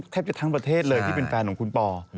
แทบจะทั้งประเทศเลยที่เป็นแฟนของคุณปอ